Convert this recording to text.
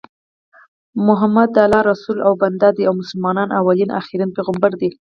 محمد د الله رسول او بنده دي او مسلمانانو اولين اخرين پیغمبر دي